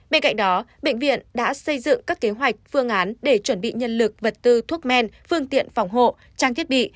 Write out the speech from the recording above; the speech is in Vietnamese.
bên cạnh đó bệnh viện đã xây dựng các kế hoạch phương án để chuẩn bị nhân lực vật tư thuốc men phương tiện phòng hộ trang thiết bị